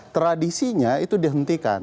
tradisinya itu dihentikan